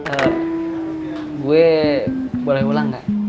eh gue boleh ulang gak